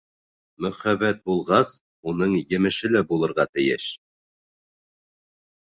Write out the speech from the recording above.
Мөхәббәт булғас, уның емеше лә булырға тейеш.